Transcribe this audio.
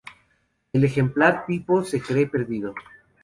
El ejemplar tipo se cree perdido.